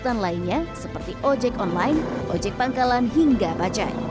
dan penempatan lainnya seperti ojek online ojek pangkalan hingga baca